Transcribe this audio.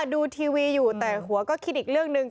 ดูทีวีอยู่แต่หัวก็คิดอีกเรื่องหนึ่ง